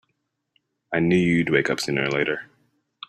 I knew you'd wake up sooner or later!